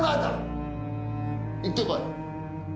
行ってこい。